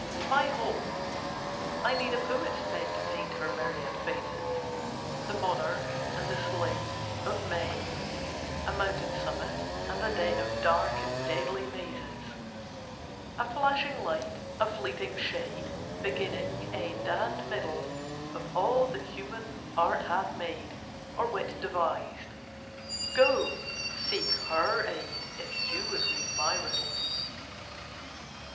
My Whole? I need a poet's pen To paint her myriad phases: The monarch, and the slave, of men— A mountain summit, and a den Of dark and deadly mazes— A flashing light—a fleeting shade— Beginning, end, and middle Of all that human art hath made Or wit devised! Go, seek her aid, If you would read my riddle!